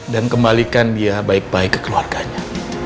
kembalikan dia baik baik ke keluarganya